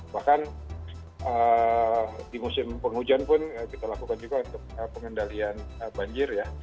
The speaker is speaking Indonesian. bahkan di musim penghujan pun kita lakukan juga untuk pengendalian banjir ya